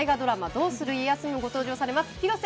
「どうする家康」にもご登場されます